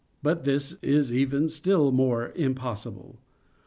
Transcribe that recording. But this is even still more impossible.